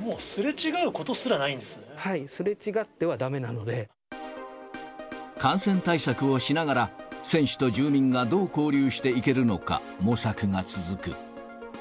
もうすれ違うことすらないんはい、すれ違ってはだめなの感染対策をしながら、選手と住民がどう交流していけるのか、模索が続く。